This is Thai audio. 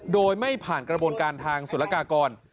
โดยไม่ผ่านกระบวนการทางสุรกากร